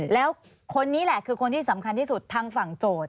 แล้วคนนี้แหละคือคนที่สำคัญที่สุดทางฝั่งโจทย์